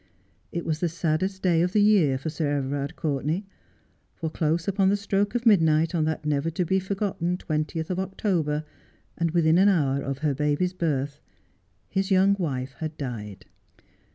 It was the saddest day of the year 14 Just as I Am. for Sir Everard Courtenay, for close upon the stroke of midnight on that never to be forgotten twentieth of October, and within an hour of her baby's birth, his young wife had died.